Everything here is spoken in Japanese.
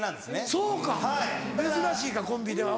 そうか珍しいかコンビでは。